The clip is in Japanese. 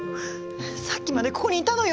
さっきまでここにいたのよ。